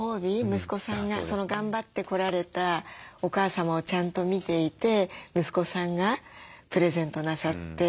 息子さんが頑張ってこられたお母様をちゃんと見ていて息子さんがプレゼントなさって。